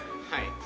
はい。